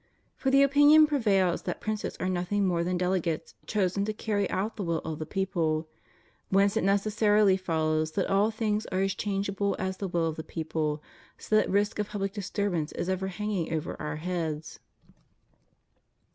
For the opinion prevails that princes are nothing more than delegates chosen to carr} out the wiU of the people; whence it necessarily follows that all things are as changeable as the will of the people, so that risk of public disturbance is ever hanging over our heads.